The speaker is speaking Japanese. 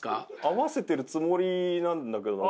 合わせてるつもりなんだけどな。